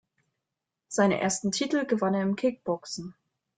Seine ersten Titel gewann er im Kickboxen.